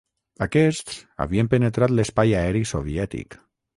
Aquests havien penetrat l'espai aeri soviètic.